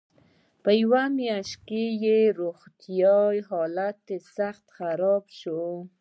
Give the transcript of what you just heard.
په یوه میاشت کې یې روغتیایي حالت سخت خراب شو.